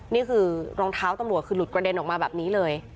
นี่คือรองเท้าตำรวจคือหลุดกระเด็นออกมาแบบนี้เลย